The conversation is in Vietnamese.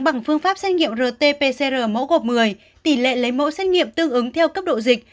bằng phương pháp xét nghiệm rt pcr mẫu gộp một mươi tỷ lệ lấy mẫu xét nghiệm tương ứng theo cấp độ dịch